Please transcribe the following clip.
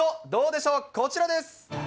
どうでしょう、こちらです。